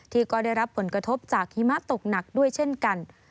ที่ก็ได้รับผลกระทบจากหิมะตกหนักด้วยเช่นกัน